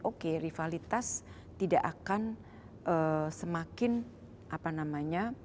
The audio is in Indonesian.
oke rivalitas tidak akan semakin apa namanya